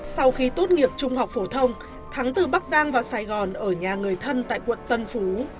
sau khi tốt nghiệp trung học phổ thông thắng từ bắc giang vào sài gòn ở nhà người thân tại quận tân phú